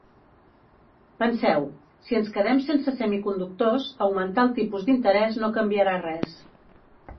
Penseu: si ens quedem sense semiconductors, augmentar els tipus d’interès no canviarà res.